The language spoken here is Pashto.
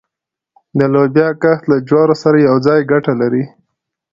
د لوبیا کښت له جوارو سره یوځای ګټه لري؟